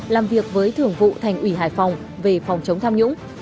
làm việc với thường vụ thành ủy hải phòng về phòng chống tham nhũng